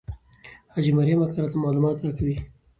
حاجي مریم اکا راته معلومات ورکوي.